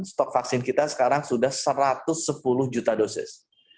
stok vaksin kita sekarang sudah satu ratus sepuluh juta dosis